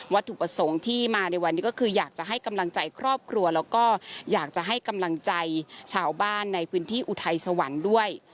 ถูกประสงค์ที่มาในวันนี้ก็คืออยากจะให้กำลังใจครอบครัวแล้วก็อยากจะให้กำลังใจชาวบ้านในพื้นที่อุทัยสวรรค์ด้วย